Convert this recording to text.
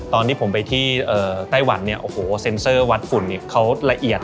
ตอนที่ผมไปที่ไต้หวันเซ็นเซอร์วัดฝุ่นเขาระเอียด